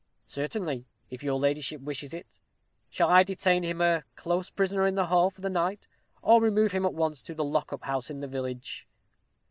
"Certainly, if your ladyship wishes it. Shall I detain him a close prisoner in the hall for the night, or remove him at once to the lock up house in the village?"